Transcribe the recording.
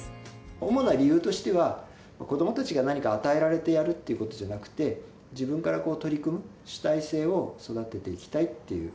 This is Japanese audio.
主な理由としては、子どもたちが何か与えられてやるってことじゃなくて、自分から取り組む主体性を育てていきたいっていう。